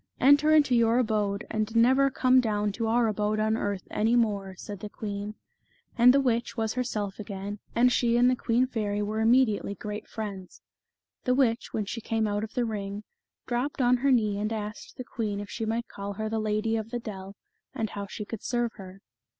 " Enter into your abode, and never come down to our abode on earth any more," said the queen. And the witch was herself again, and she and the queen fairy were immediately great friends. ' The witch, when she came out of the ring, dropped on her knee and asked the queen if she might call her the Lady of the Dell, and how she could serve her.